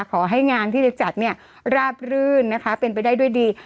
ขอให้งานที่จะจัดเนี่ยราบรื่นนะคะเป็นไปได้ด้วยดี